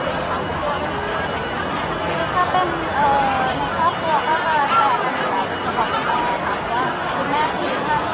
แต่ว่าถ้าตอนนี้เราอยากทิศนั้นไปเนี่ย